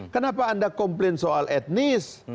kenapa anda komplain soal etnis